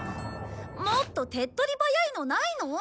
もっと手っ取り早いのないの？